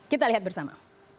kita lihat bersama